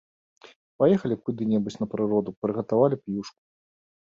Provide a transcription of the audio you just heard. Паехалі б куды-небудзь на прыроду, прыгатавалі б юшку!